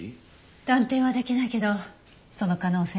断定はできないけどその可能性はある。